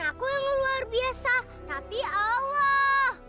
aku yang luar biasa tapi allah